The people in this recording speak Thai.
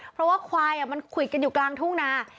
เพราะว่าควายมันควิดกันอยู่กลางทุ่งนา